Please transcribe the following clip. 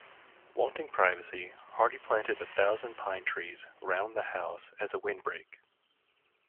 Wanting privacy, Hardy planted a thousand pine trees round the house as a windbreak.